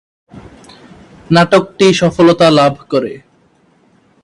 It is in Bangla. নাটকটি সফলতা লাভ করে।